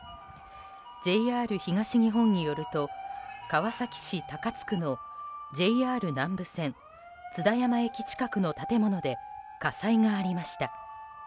ＪＲ東日本によると川崎市高津区のＪＲ南武線津田山駅近くの建物で火災がありました。